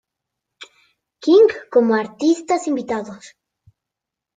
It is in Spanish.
King como artistas invitados.